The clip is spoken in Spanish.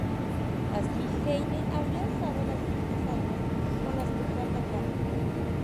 Así, Heine habría usado las mismas armas con las que fue atacado.